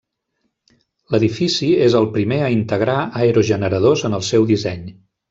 L'edifici és el primer a integrar aerogeneradors en el seu disseny.